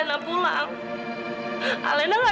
aku akan bangun